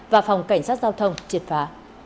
và phòng cảnh sát giao thông triệt phá